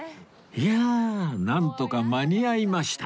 いやあなんとか間に合いました